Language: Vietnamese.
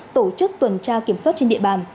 tổ chức tuần tra kiểm soát trên địa bàn